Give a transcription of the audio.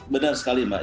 benar sekali mbak